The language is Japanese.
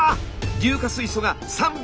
硫化水素が３６０！